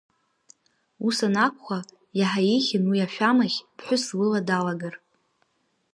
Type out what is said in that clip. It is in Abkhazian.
Ус анакәха, иаҳа еиӷьын уи ашәамахь ԥҳәыс лыла далагар.